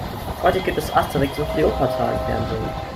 Heute gibt es Asterix und Kleopatra im Fernsehen.